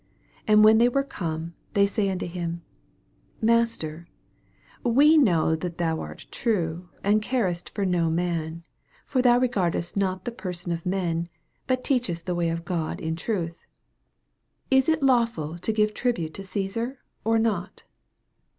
14 And when they were come, they eay unto him, Master, we know that thou art true, and carest for no man : for thou regardest not the person of men, but teachest the way of God in truth : Is it lawful to give tribute to Caesar or not?